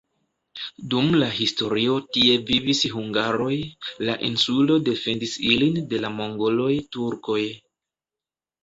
Dum la historio tie vivis hungaroj, la insulo defendis ilin de la mongoloj, turkoj.